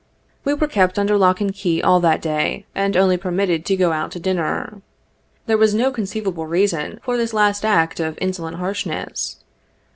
We were kept under lock and key all that day, and only permitted to go out to dinner. There was no conceivable reason for this last act of insolent harshness.